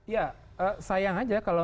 ya sayang aja kalau